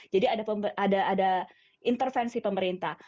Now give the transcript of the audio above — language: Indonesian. jadi ada intervensi pemerintah